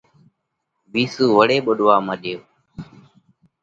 وِيسُو وۯي ٻُوڏوا مڏيو۔